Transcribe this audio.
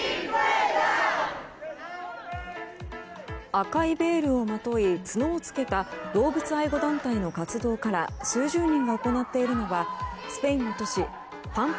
赤いベールをまとい角を着けた動物愛護団体の活動家ら数十人が行っているのはスペインの都市パンプ